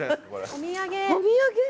お土産？